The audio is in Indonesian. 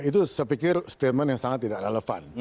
itu sepikir statement yang sangat tidak relevan